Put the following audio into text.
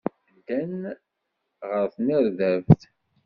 Ddan ɣer tnerdabt.